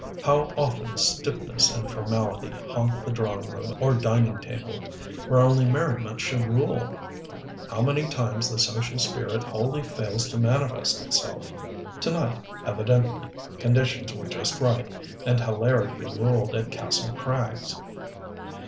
How often stiffness and formality haunt the drawing room or dining table, where only merriment should rule! How many times the social spirit wholly fails to manifest itself. To night, evidently, conditions were just right, and hilarity ruled at Kastle Krags.